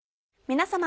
皆様。